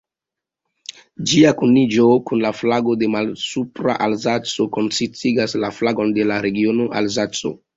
Ĝia kuniĝo kun la flago de Malsupra-Alzaco konsistigas la flagon de la regiono Alzaco.